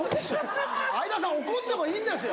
・相田さん怒ってもいいんですよ。